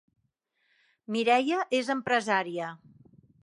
Mireia és empresària